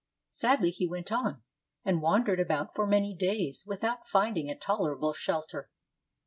Sadly he went on, and wandered about for many days without finding a tolerable shelter.